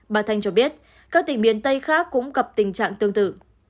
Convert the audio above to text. bà thanh cho biết các tỉnh miền tây khác cũng gặp tình trạng tương tự